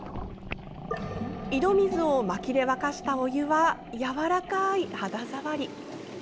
井戸水を薪で沸かしたお湯はやわらかい肌触り。